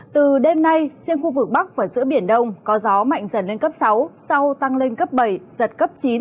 từ đêm nay trên khu vực bắc và giữa biển đông có gió mạnh dần lên cấp sáu sau tăng lên cấp bảy giật cấp chín